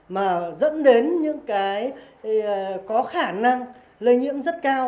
mà dẫn đến những cái có khả năng lây nhiễm rất cao